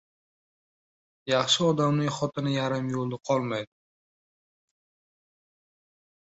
• Yaxshi odamning xotini yarim yo‘lda qolmaydi.